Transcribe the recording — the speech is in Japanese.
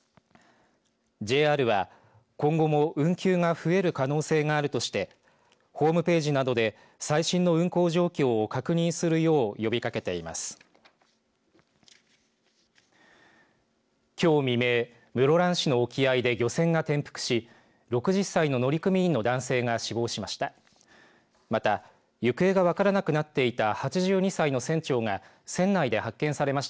ＪＲは今後も運休が増える可能性があるとしてホームページなどで最新の運行状況を確認するよう呼びかけています。